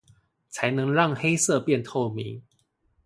才能讓黑色變透明